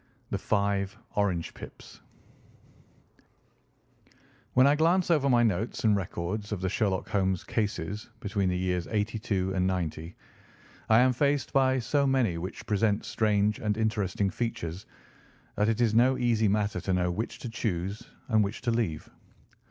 V. THE FIVE ORANGE PIPS When I glance over my notes and records of the Sherlock Holmes cases between the years '82 and '90, I am faced by so many which present strange and interesting features that it is no easy matter to know which to choose and which to leave.